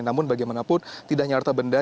namun bagaimanapun tidak nyarta benda